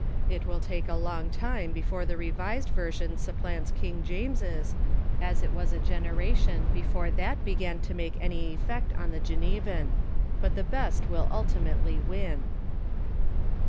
It will take a long time before the Revised Version supplants Kin or James's, as it was a generation before that began to make any effect on the Genevan ; but the best will ultimately win.